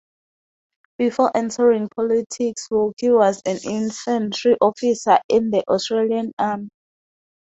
Before entering politics Wilkie was an infantry officer in the Australian Army.